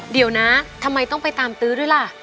เดี๋ยวนะทำไมต้องไปตามตื้อด้วยล่ะ